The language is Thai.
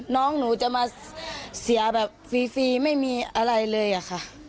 น้องหนูจะมาเสียแบบฟรีไม่มีอะไรเลยอะค่ะ